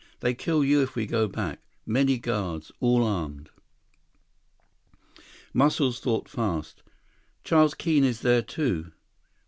They kill you if we go back. Many guards. All armed." Muscles thought fast. "Charles Keene is there, too?"